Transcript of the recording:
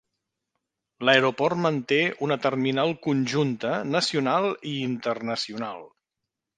L'aeroport manté una terminal conjunta nacional i internacional.